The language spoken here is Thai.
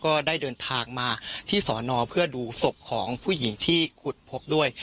ก็ได้เดินทางมาที่สอนอเพื่อดูศพของผู้หญิงที่ขุดพบด้วย